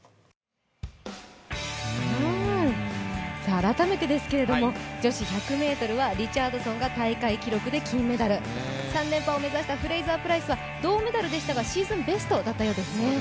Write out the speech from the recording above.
改めてですけども、女子１００ｍはリチャードソンが大会記録で金メダル。３連覇を目指したフレイザープライスは銅メダルでしたが、シーズンベストだったようですね。